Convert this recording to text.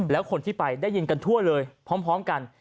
แล้วคนที่ไปได้ยินกันทั่วเลยพร้อมกัน